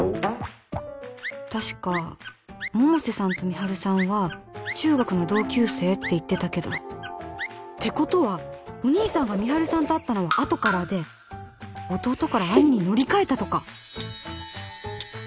確か百瀬さんと美晴さんは中学の同級生って言ってたけどてことはお義兄さんが美晴さんと会ったのはあとからで弟から兄に乗り換えたとか？